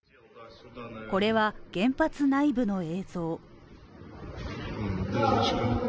これは原発内部の映像。